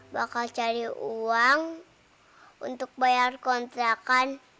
bakal cari uang untuk bayar kontrakan